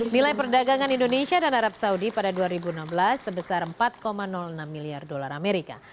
nilai perdagangan indonesia dan arab saudi pada dua ribu enam belas sebesar empat enam miliar dolar amerika